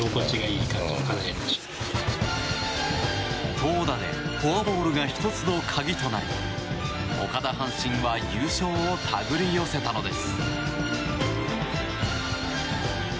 投打でフォアボールが１つの鍵となり岡田阪神は優勝を手繰り寄せたのです。